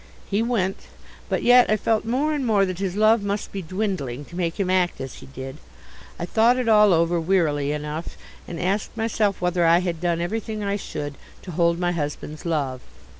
He went. But yet I felt more and more that his love must be dwindling to make him act as he did. I thought it all over wearily enough and asked myself whether I had done everything I should to hold my husband's love.